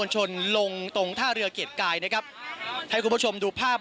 เชิญค่ะ